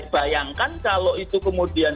bayangkan kalau itu kemudian